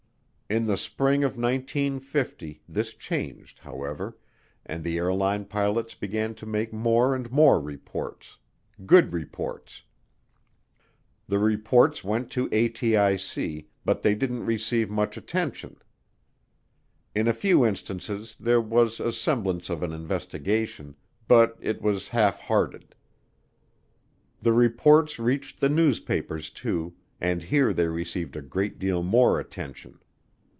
In the spring of 1950 this changed, however, and the airline pilots began to make more and more reports good reports. The reports went to ATIC but they didn't receive much attention. In a few instances there was a semblance of an investigation but it was halfhearted. The reports reached the newspapers too, and here they received a great deal more attention.